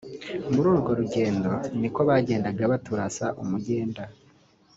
« Muri urwo rugendo niko bagendaga baturasa umugenda